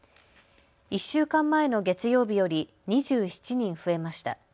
１週間前の月曜日より２７人増えました。